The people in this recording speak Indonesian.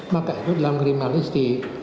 maka itu dalam kriminalistik